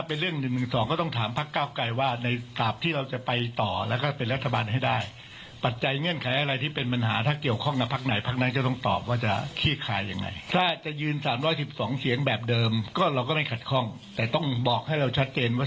เพิ่มจากนั้นจะมาจากไหน